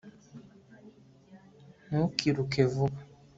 ntukiruke vuba